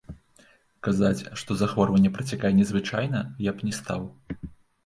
Казаць, што захворванне працякае незвычайна, я б не стаў.